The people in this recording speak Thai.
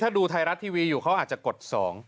ถ้าดูไทยรัฐทีวีอยู่เขาอาจจะกด๒